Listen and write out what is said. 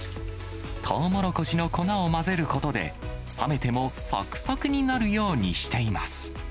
とうもろこしの粉を混ぜることで、冷めてもさくさくになるようにしています。